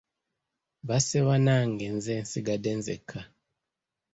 Basse bannange nze nsigadde nzekka.